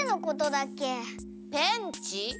ペンチ？